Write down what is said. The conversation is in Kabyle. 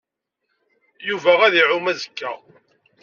Yuba ad iɛum azekka.